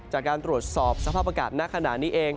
จากการตรวจสอบสภาพอากาศณขณะนี้เอง